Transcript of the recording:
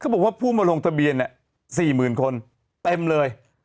บอกว่าผู้มาลงทะเบียน๔๐๐๐คนเต็มเลย